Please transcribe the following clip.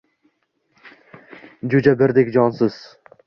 Jo‘jabirdek jonsiz.